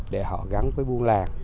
để họ gắn với buôn làng